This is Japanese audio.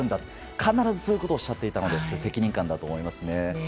必ずそういうことをおっしゃっていたので責任感だと思いますね。